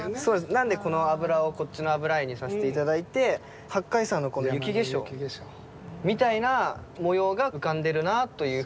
なのでこの「油」をこっちの「脂絵」にさせて頂いて八海山のこの雪化粧みたいな模様が浮かんでるなという